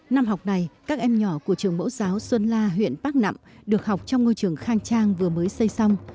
năm học này các em nhỏ của trường mẫu giáo xuân la huyện bắc nẵm được học trong ngôi trường khang trang vừa mới xây xong